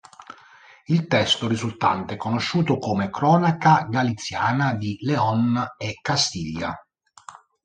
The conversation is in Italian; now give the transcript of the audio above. Il testo risultante è conosciuto come "Cronaca galiziana di León e Castiglia".